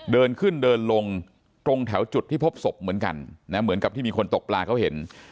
เดินขึ้นเดินลงตรงแถวจุดที่พบศพเหมือนกันนะเหมือนกับที่มีคนตกปลาเขาเห็น